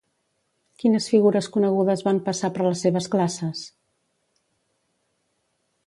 Quines figures conegudes van passar per les seves classes?